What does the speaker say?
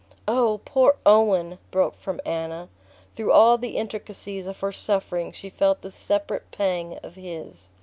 "Oh, poor Owen!" broke from Anna. Through all the intricacies of her suffering she felt the separate pang of his.